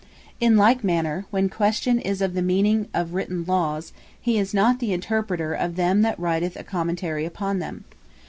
In like manner, when question is of the Meaning of written Lawes, he is not the Interpreter of them, that writeth a Commentary upon them.